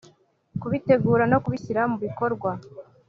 kubitegura no kubishyira mu bikorwa